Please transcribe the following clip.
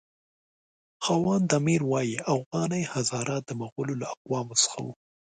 خواند امیر وایي اوغاني هزاره د مغولو له اقوامو څخه وو.